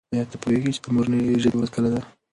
آیا ته پوهېږې چې د مورنۍ ژبې ورځ کله ده؟